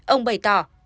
ông bày tỏ